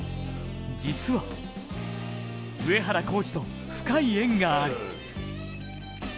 実は上原コーチと深い縁がある。